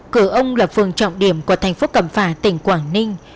cửa ông là phường trọng điểm của thành phố cầm phà tỉnh quảng ninh